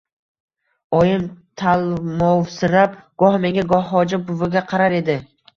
Oyim talmovsirab, goh menga, goh Hoji buviga qarar edi.